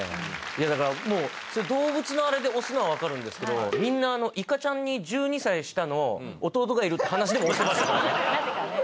いやだからもう動物のあれで押すのは分かるんですけどみんなあのいかちゃんに１２歳下の弟がいるって話でも押してましたよね